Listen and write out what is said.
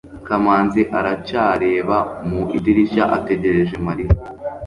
kamanzi aracyareba mu idirishya ategereje mariya